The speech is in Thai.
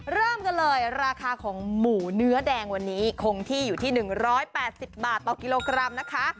เริ่มกันเลยราคาของหมูเนื้อแดงวันนี้คงที่อยู่ที่๑๘๐บาทต่อกิโลกรัมนะคะ